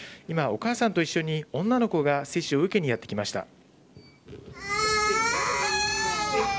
今、お母さんと一緒に女の子が接種を受けにやって来ました。